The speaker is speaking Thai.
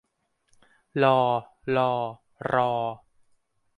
ลอ ฬอ รอ